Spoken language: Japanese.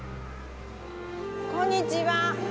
こんにちは。